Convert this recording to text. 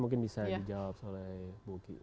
mungkin bisa dijawab oleh ibu uki